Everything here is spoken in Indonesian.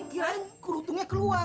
kira kira kerutungnya keluar